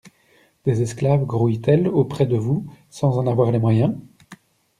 Des esclaves grouillent-elles auprès de vous sans en avoir les moyens?